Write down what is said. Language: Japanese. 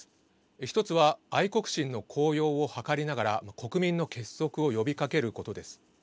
１つは愛国心の高揚を図りながら国民の結束を呼びかけることです。